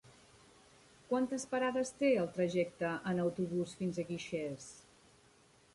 Quantes parades té el trajecte en autobús fins a Guixers?